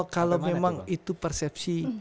kalau memang itu persepsi